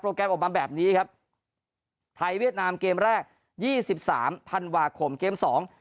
โปรแกรมแบบนี้ครับไทยเวียดนามเกมแรก๒๓ธันวาคมเกม๒๒๖